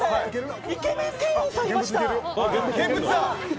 イケメン店員さんいました！